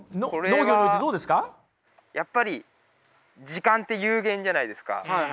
これはやっぱり時間って有限じゃないですか。